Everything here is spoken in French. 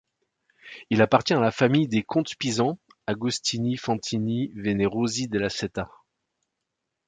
Il appartient à la famille des comtes pisans Agostini Fantini Venerosi della Seta.